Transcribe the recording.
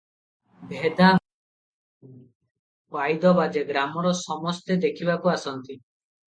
ଭେଦା ହୁଏ, ବାଇଦ ବାଜେ, ଗ୍ରାମର ସମସ୍ତେ ଦେଖିବାକୁ ଆସନ୍ତି ।